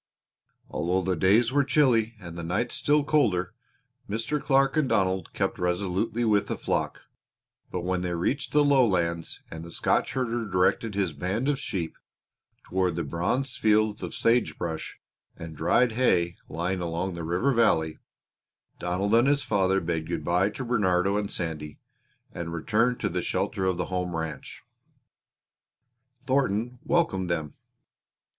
Although the days were chilly and the nights still colder, Mr. Clark and Donald kept resolutely with the flock; but when they reached the lowlands and the Scotch herder directed his band of sheep toward the bronzed fields of sage brush and dried hay lying along the river valley Donald and his father bade good bye to Bernardo and Sandy and returned to the shelter of the home ranch. Thornton welcomed them.